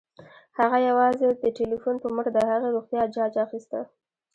هغه یوازې د ټيليفون په مټ د هغې روغتيا جاج اخيسته